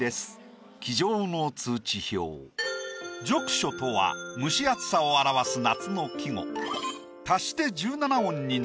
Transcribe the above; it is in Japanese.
「溽暑」とは蒸し暑さを表す夏の季語。